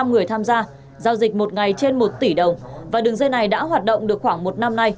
giao dịch một ngày trên một tỷ đồng và đường dây này đã hoạt động được khoảng một năm nay